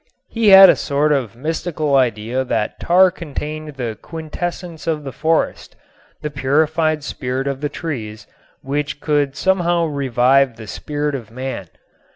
He had a sort of mystical idea that tar contained the quintessence of the forest, the purified spirit of the trees, which could somehow revive the spirit of man.